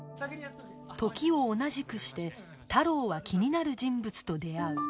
時を同じくして太郎は気になる人物と出会う